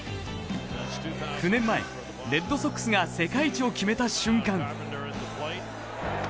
９年前レッドソックスが世界一を決めた瞬間。